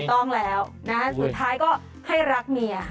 ต้องแล้วนะฮะสุดท้ายก็ให้รักเมีย